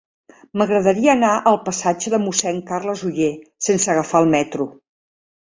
M'agradaria anar al passatge de Mossèn Carles Oller sense agafar el metro.